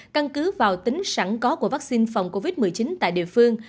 căn cứ vào tính sẵn có của vaccine phòng covid một mươi chín tại địa phương